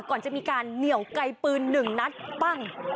ก่อนจะมีการเหนียวไกลปืนหนึ่งนัดปั้ง